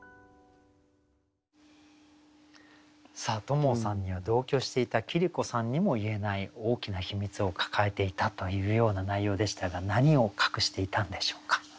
トモさんには同居していた桐子さんにも言えない大きな秘密を抱えていたというような内容でしたが何を隠していたんでしょうか？